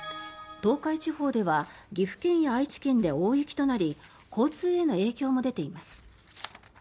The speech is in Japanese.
東海地方では岐阜県や愛知県で大雪となり交通への影響も出ています。